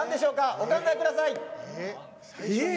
お考えください。